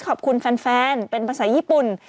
ขอบคุณแฟนเป็นภาษาญี่ปุ่น